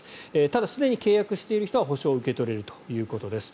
ただ、すでに契約している人は補償を受け取れるということです。